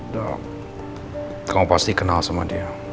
pak irfan kamu pasti kenal sama dia